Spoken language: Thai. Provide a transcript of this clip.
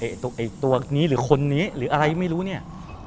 ไอ้ตัวนี้หรือคนนี้หรืออะไรไม่รู้เนี่ย